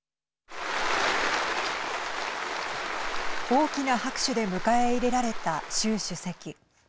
大きな拍手で迎え入れられた習主席。